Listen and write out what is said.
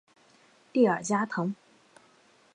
蒂尔加滕。